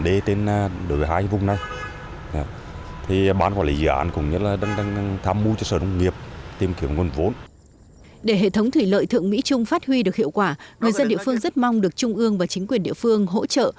để hệ thống thủy lợi thượng mỹ trung phát huy được hiệu quả người dân địa phương rất mong được trung ương và chính quyền địa phương hỗ trợ